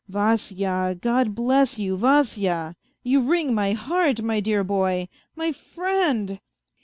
" Vasya, God bless you, Vasya ! You wring my heart, my dear boy, my friend."